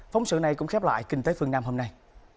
phóng sự này cũng khép lại kinh tế phương nam hôm nay